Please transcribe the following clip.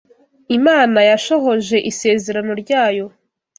Imana yashohoje isezerano ryayo!